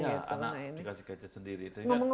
iya anak dikasih gadget sendiri